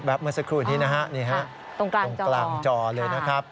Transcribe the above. เมื่อสักครู่นี้นะฮะนี่ฮะตรงกลางจอเลยนะครับ